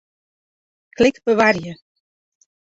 Klik Bewarje.